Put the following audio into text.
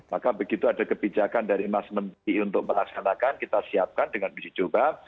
maka begitu ada kebijakan dari mas menteri untuk melaksanakan kita siapkan dengan uji coba